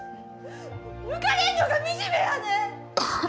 抜かれんのが、みじめやねん！